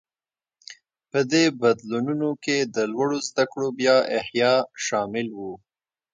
په دې بدلونونو کې د لوړو زده کړو بیا احیا شامل و.